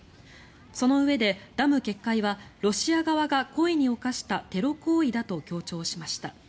そのうえでダム決壊はロシア側が故意に犯したテロ行為だと強調しました。